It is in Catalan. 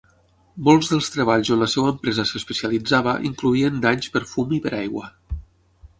Molts dels treballs on la seva empresa s'especialitzava incloïen danys per fum i per aigua.